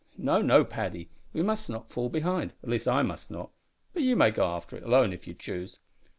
"No, no, Paddy, we must not fall behind. At least, I must not; but you may go after it alone if you choose."